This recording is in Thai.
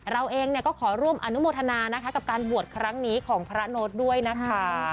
เราเองก็ขอร่วมอนุโมทนานะคะกับการบวชครั้งนี้ของพระโน้ตด้วยนะคะ